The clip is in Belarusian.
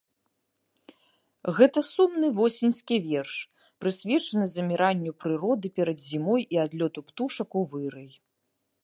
Гэта сумны восеньскі верш, прысвечаны заміранню прыроды перад зімой і адлёту птушак у вырай.